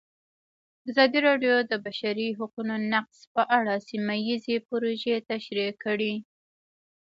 ازادي راډیو د د بشري حقونو نقض په اړه سیمه ییزې پروژې تشریح کړې.